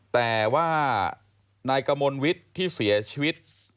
แต่ว่านายกมลวิทย์ที่เสียชีวิต